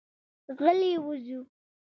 غلي وځو.